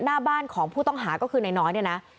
หน้าบ้านของผู้ต้องหาก็คือนายน้อยเนี่ยนะ